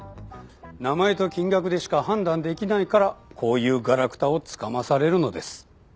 名前と金額でしか判断できないからこういうがらくたをつかまされるのです。